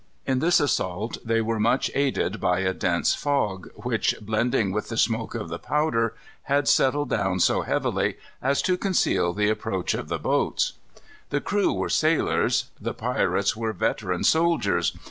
In this assault they were much aided by a dense fog, which, blending with the smoke of the powder, had settled down so heavily as to conceal the approach of the boats. The crew were sailors. The pirates were veteran soldiers.